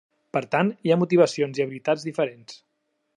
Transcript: Per tant, hi ha motivacions i habilitats diferents.